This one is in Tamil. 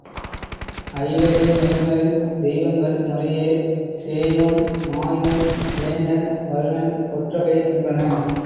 ஐவகை நிலங்களின் தெய்வங்கள் முறையே சேயோன், மாயோன், வேந்தன், வருணன், கொற்றவை என்பன.